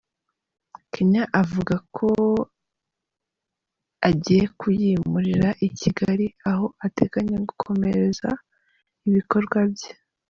Kenya avuga ko agiye kuyimurira i Kigali aho ateganya gukomereza ibikorwa bye.